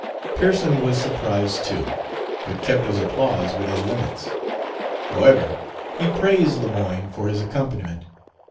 Pearson was surprised too, but kept his applause within limits. However, he praised Lemoyne for his accompaniment.